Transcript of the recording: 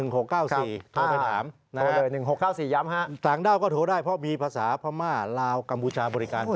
๑๖๙๔โทรไปถามนะครับต่างด้าวก็โทรได้เพราะมีภาษาพม่าลาวกัมพูชาบริการพร้อม